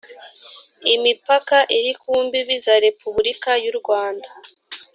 imipaka iri ku mbibi za repubulika y urwanda